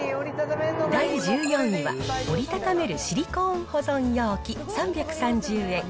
第１４位は、折りたためるシリコーン保存容器３３０円。